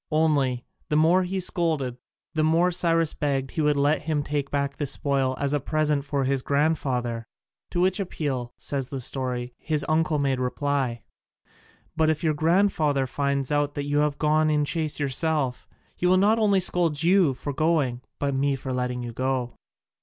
Only, the more he scolded the more Cyrus begged he would let him take back the spoil as a present for his grandfather. To which appeal, says the story, his uncle made reply: "But if your grandfather finds out that you have gone in chase yourself, he will not only scold you for going but me for letting you go."